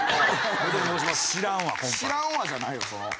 「知らんわ」じゃないわ。